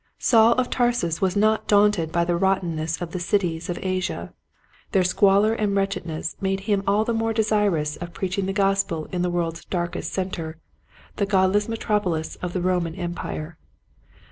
Saul of Tarsus was not daunted by the rottenness of the cities of Asia. Their squalor and wretchedness 70 Quiet Hints to Growing Preachers, made him all the more desirous of preach ing the gospel in the world's darkest center, the godless metropolis of the Roman empire.